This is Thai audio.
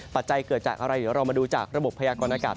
ปัจจัยเกิดจากอะไรเดี๋ยวเรามาดูจากระบบพยากรณากาศ